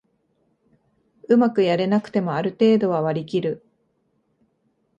うまくやれなくてもある程度は割りきる